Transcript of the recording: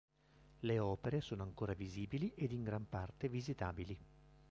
Le opere sono ancora visibili ed in gran parte visitabili.